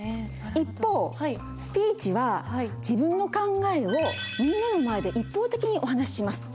一方スピーチは自分の考えをみんなの前で一方的にお話しします。